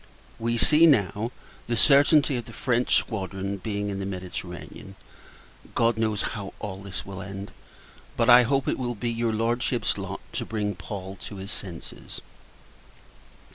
We see, now, the certainty of the French squadron's being in the Mediterranean. God knows, how all this will end! But I hope it will be your Lordship's lot to bring Paul to his senses.